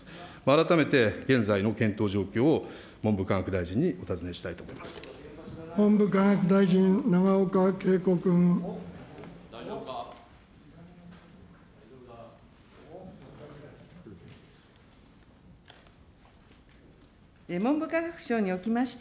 改めて現在の検討状況を、文部科学大臣にお尋ねしたいと思います。